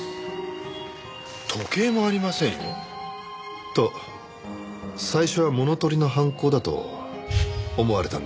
時計もありませんよ？と最初は物取りの犯行だと思われたんですが。